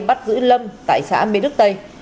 bắt giữ lâm tại xã mỹ đức tây